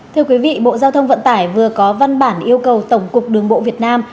thưa quý vị bộ giao thông vận tải vừa có văn bản yêu cầu tổng cục đường bộ việt nam